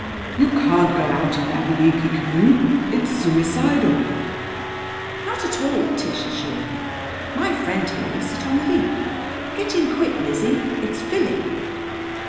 "You can't go out in that leaky canoe! It's suicidal!" "Not at all," Tish assured him. "My friend here will sit on the leak. Get in quick, Lizzie. It's filling."